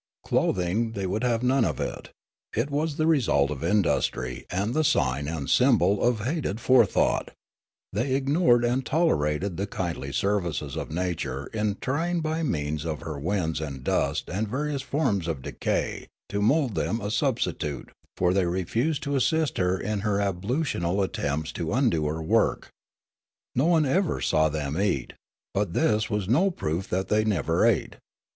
Clothing they would have none of ; it was the result of industry and the sign and symbol of hated fore thought; they ignored and tolerated the kindly services of Nature in trying by means of her winds and dust and various forms of decay to mould them a substitute ; for they refused to assist her in her ablutional attempts to undo her work. No one ever saw them eat ; but this was no proof that they never ate.